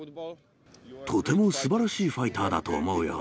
とてもすばらしいファイターだと思うよ。